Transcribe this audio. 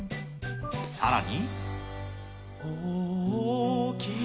さらに。